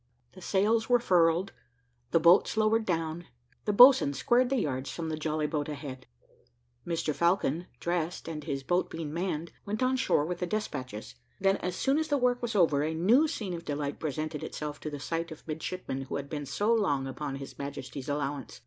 The sails were furled, the boats lowered down, the boatswain squared the yards from the jolly boat ahead. Mr Falcon dressed, and his boat being manned, went on shore with the despatches. Then, as soon as the work was over, a new scene of delight presented itself to the sight of midshipmen who had been so long upon his Majesty's allowance.